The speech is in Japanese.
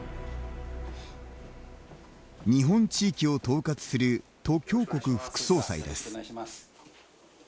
日本地域を統括する杜鏡国副総裁です。